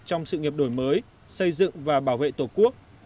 trong sự nghiệp đổi mới xây dựng và bảo vệ tổ quốc